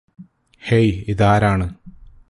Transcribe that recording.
hey ഇതാരാണ്